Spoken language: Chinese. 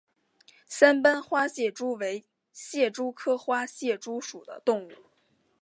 三斑花蟹蛛为蟹蛛科花蟹蛛属的动物。